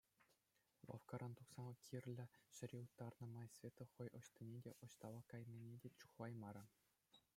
Лавккаран тухсан кирлӗ ҫӗре уттарнӑ май Света хӑй ӑҫтине те, ӑҫталла кайнине те чухлаймарӗ.